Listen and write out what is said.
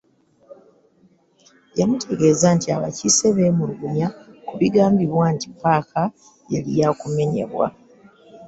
Yamutegeeza nti abakiise beemulugunya ku bigambibwa nti ppaaka yali ya kumenyebwa.